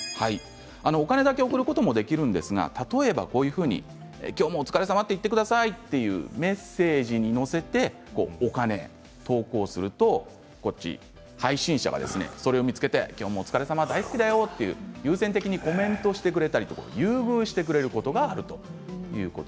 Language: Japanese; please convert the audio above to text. お金だけを送ることもできるんですが、例えばこういうふうに今日もお疲れさまと言ってくださいっていうメッセージに載せてお金を投稿すると配信者はですねそれを見つけて今日もお疲れさま、大好きだよと優先的にコメントしてくれたり優遇してくれることがあります。